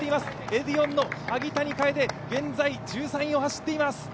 エディオンの萩谷楓、現在１３位を走っています。